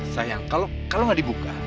sayang kalau gak dibuka